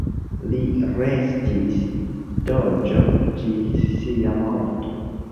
Li restis doĝo ĝis sia morto.